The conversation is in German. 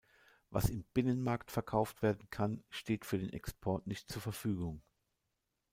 Was im Binnenmarkt verkauft werden kann, steht für den Export nicht zur Verfügung.